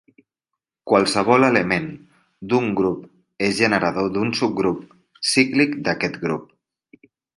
Qualsevol element d'un grup és generador d'un subgrup cíclic d'aquest grup.